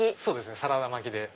サラダ巻きで。